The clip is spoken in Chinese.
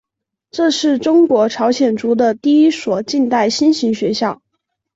这是中国朝鲜族的第一所近代新型学校。